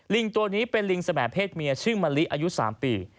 ตัวนี้เป็นลิงสมเพศเมียชื่อมะลิอายุ๓ปี